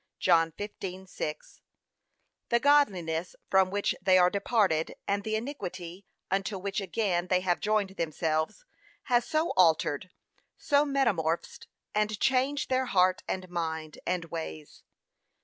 (John 15:6) The godliness from which they are departed, and the iniquity unto which again they have joined themselves, has so altered, so metamorphosed and changed their heart, and mind, and ways.